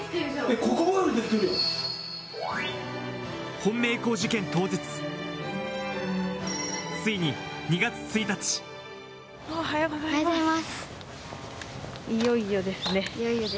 本命校受験当日、ついに２月おはようございます。